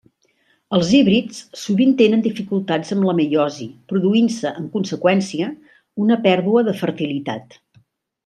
Els híbrids sovint tenen dificultats amb la meiosi produint-se, en conseqüència, una pèrdua de fertilitat.